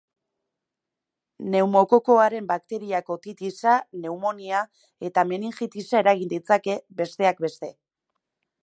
Pneumokokoaren bakteriak otitisa, pneumonia eta meningitisa eragin ditzake, besteak beste.